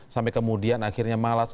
sampai kemudian akhirnya malas